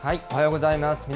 おはようございます。